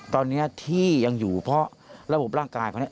ตอนนี้ที่ยังอยู่เพราะระบบร่างกายเขาเนี่ย